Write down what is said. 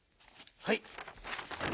はい。